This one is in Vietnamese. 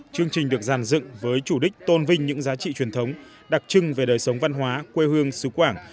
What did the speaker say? chương trình được giàn dựng với chủ đích tôn vinh những giá trị truyền thống đặc trưng về đời sống văn hóa quê hương xứ quảng